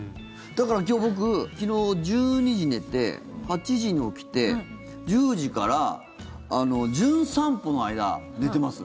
だから今日、僕昨日１２時に寝て、８時に起きて１０時から「じゅん散歩」の間寝てます。